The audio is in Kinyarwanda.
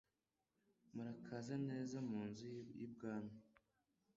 Murakaza neza munzu y'ibwami